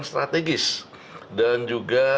strategis dan juga